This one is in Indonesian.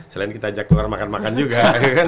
selain kita ajak keluar makan makan juga